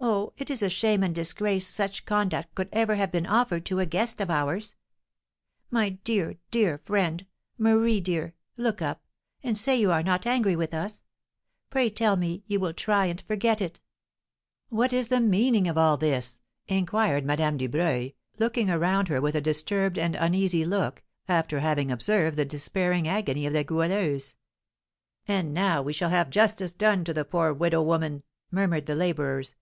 Oh, it is a shame and disgrace such conduct should ever have been offered to a guest of ours! My dear, dear friend Marie, dear! look up, and say you are not angry with us. Pray tell me you will try and forget it!" "What is the meaning of all this?" inquired Madame Dubreuil, looking around her with a disturbed and uneasy look, after having observed the despairing agony of the Goualeuse. "Ah, now we shall have justice done the poor widow woman!" murmured the labourers.